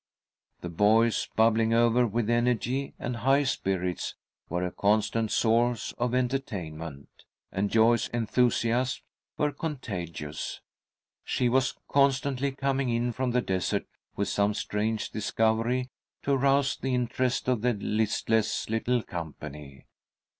The boys, bubbling over with energy and high spirits, were a constant source of entertainment, and Joyce's enthusiasms were contagious. She was constantly coming in from the desert with some strange discovery to arouse the interest of the listless little company.